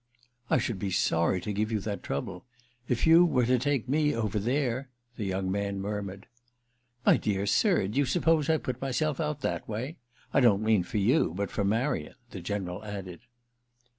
"I should be sorry to give you that trouble. If you were to take me over there—!" the young man murmured. "My dear sir, do you suppose I put myself out that way? I don't mean for you, but for Marian," the General added.